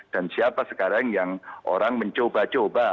dan siapa sekarang yang orang mencoba coba